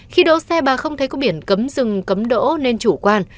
khi đỗ xe bà không thấy có biển cấm dừng cấm đỗ nên chủ quan